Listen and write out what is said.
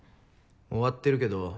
終わってるけど？